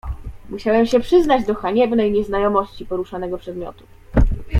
"Musiałem się przyznać do haniebnej nieznajomości poruszanego przedmiotu."